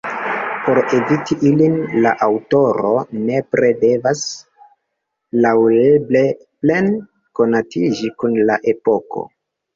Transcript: Por eviti ilin, la aŭtoro nepre devas laŭeble plene konatiĝi kun la epoko.